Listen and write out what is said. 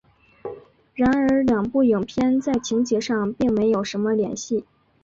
然而两部影片在情节上并没有什么联系。